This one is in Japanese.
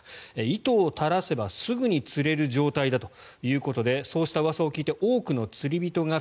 糸を垂らせばすぐに釣れる状態だということでそうしたうわさを聞いて多くの釣り人が